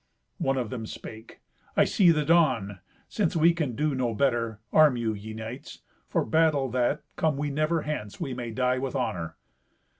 One of them spake, "I see the dawn. Since we can do no better, arm you, ye knights, for battle, that, come we never hence, we may die with honour."